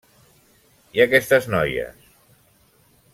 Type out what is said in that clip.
-I aquestes noies?…